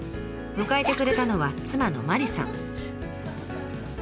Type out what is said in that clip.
迎えてくれたのは妻の真理さん。